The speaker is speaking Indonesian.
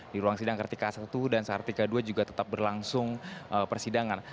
di ruang sidang kartika satu dan sahartika dua juga tetap berlangsung persidangan